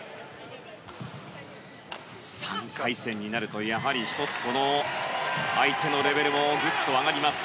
３回戦になるとやはり１つ、相手のレベルもぐっと上がります。